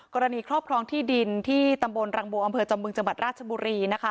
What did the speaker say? ครอบครองที่ดินที่ตำบลรังบัวอำเภอจำเมืองจังหวัดราชบุรีนะคะ